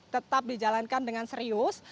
tetap dijalankan dengan serius